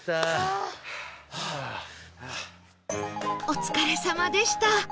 お疲れさまでした